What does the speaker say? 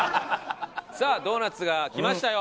さあドーナツが来ましたよ。